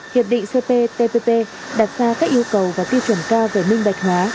hiệp định cp tpp đặt ra các yêu cầu và tiêu chuẩn cao về minh bạch hóa